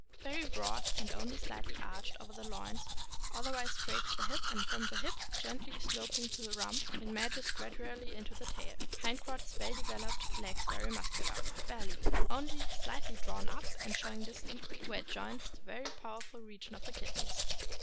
— Very broad, and only slightly arched over the loins, otherwise straight to the hip; and from the hip, THE ST. BERNARD. 557 gently sloping to the rump, it merges gradually into the tail. Hind quarters well developed; legs very muscular. Belly. — Only slightly drawn up, and showing distinctly where it joins the very powerful region of the kidneys.